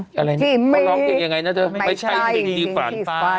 จริงไหมไม่ใช่จริงแจก